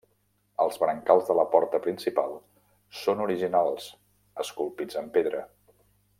Els brancals de la porta principal són originals esculpits en pedra.